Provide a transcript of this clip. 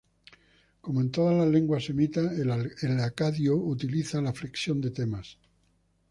Como en todas las lenguas semitas, el acadio utiliza la flexión de temas.